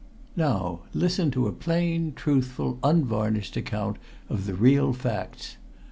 "Now listen to a plain, truthful, unvarnished account of the real facts.